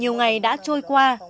nhiều ngày đã trôi qua